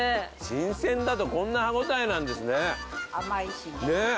新鮮だとこんな歯ごたえなんですねねえ